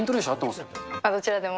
まあ、どちらでも。